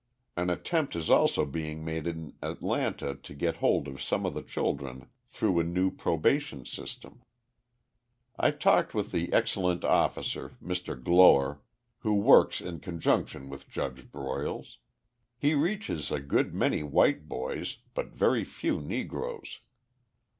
An attempt is also being made in Atlanta to get hold of some of the children through a new probation system. I talked with the excellent officer, Mr. Gloer, who works in conjunction with Judge Broyles. He reaches a good many white boys, but very few Negroes.